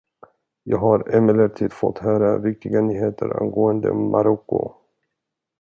Jag har emellertid fått höra viktiga nyheter angående Marocko.